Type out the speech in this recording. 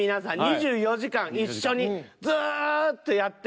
２４時間一緒にずっとやってる。